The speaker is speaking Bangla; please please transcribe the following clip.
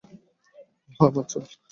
ওহ, আমার চুল!